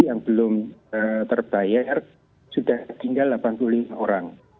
yang belum terbayar sudah tinggal delapan puluh lima orang